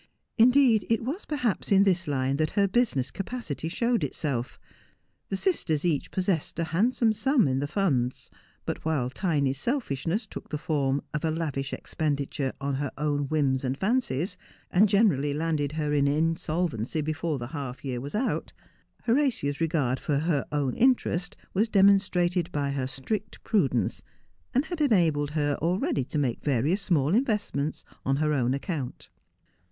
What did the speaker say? In deed, it was perhaps in this line that her business capacity showed itself. The sisters each possessed a handsome sum in the funds ; but while Tiny's selfishness took the form of a lavish expenditure on her own whims and fancies, and generally landed her in insolvency before the half year was out, Horatia's regard for her own interest was demonstrated by her strict prudence, and had enabled her already to make various small investments on her own account.